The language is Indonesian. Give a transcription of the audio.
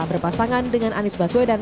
berpasangan dengan anies baswedan